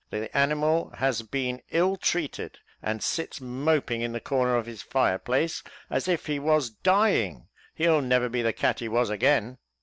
The animal has been ill treated, and sits moping in the corner of the fireplace, as if he was dying; he'll never be the cat he was again."